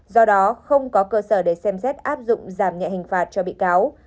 do đó không có cơ sở để xem xét áp dụng giảm nhẹ hình phạt cho bị cáo